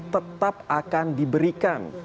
tetap akan diberikan